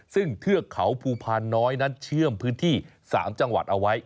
ซึ่งเทือกเขาภูพานน้อยนั้นเชื่อมพื้นที่๓จังหวัดเอาไว้